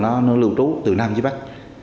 nó lưu trú từ nam để bắc